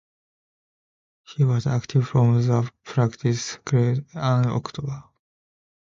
He was activated from the practice squad in October.